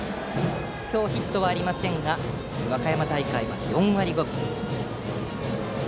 今日はヒットはありませんが和歌山大会は４割５分。